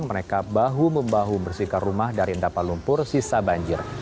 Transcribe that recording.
mereka bahu membahu bersihkan rumah dari endapan lumpur sisa banjir